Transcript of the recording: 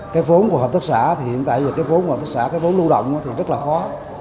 cái vốn của hợp tác xã thì hiện tại về cái vốn của hợp tác xã cái vốn lưu động thì rất là khó